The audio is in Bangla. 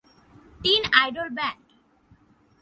Tin idol band?